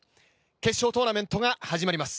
決勝トーナメントが始まります。